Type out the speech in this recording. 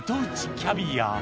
キャビア